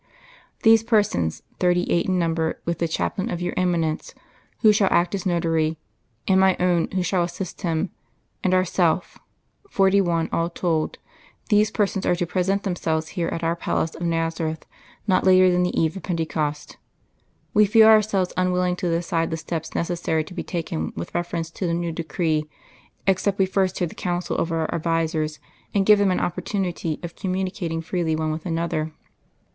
These persons, thirty eight in number, with the chaplain of your Eminence, who shall act as notary, and my own who shall assist him, and Ourself forty one all told these persons are to present themselves here at our palace of Nazareth not later than the Eve of Pentecost. We feel Ourselves unwilling to decide the steps necessary to be taken with reference to the new decree, except we first hear the counsel of our advisers, and give them an opportunity of communicating freely one with another.